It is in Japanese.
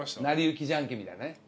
なりゆきじゃんけんみたいなね。